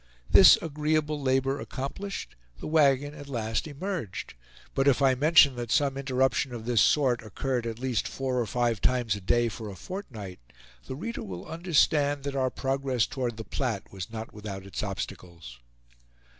This agreeable labor accomplished, the wagon at last emerged; but if I mention that some interruption of this sort occurred at least four or five times a day for a fortnight, the reader will understand that our progress toward the Platte was not without its obstacles.